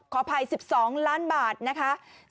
ขออภัย๑๒ล้านบาทนะคะ